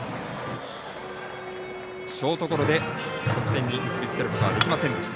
ショートゴロで得点に結びつけることはできませんでした。